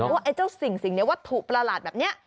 ว่าไอ้เจ้าสิ่งเนี่ยว่าถุประหลาดแบบนี้